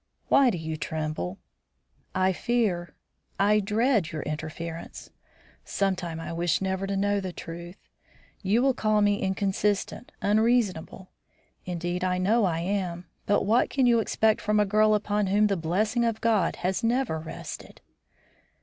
Why do you tremble?" "I fear I dread your interference. Sometimes I wish never to know the truth. You will call me inconsistent, unreasonable. Indeed, I know I am; but what can you expect from a girl upon whom the blessing of God has never rested?"